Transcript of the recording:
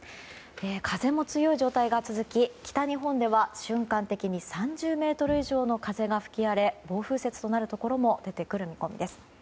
風も強い状態が続き北日本では瞬間的に３０メートル以上の風が吹き荒れ暴風雪となるところも出てくる見込みです。